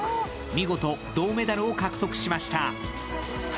見事銅メダルを獲得しました。